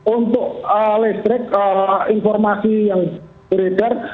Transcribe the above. untuk listrik informasi yang beredar